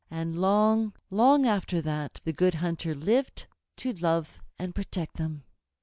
And long, long after that, the Good Hunter lived to love and protect them.